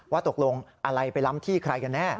ตกลงอะไรไปล้ำที่ใครกันแน่